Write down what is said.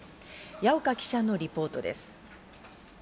矢岡記者のリポートです。